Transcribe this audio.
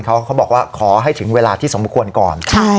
เขาบอกว่าขอให้ถึงเวลาที่สมควรก่อน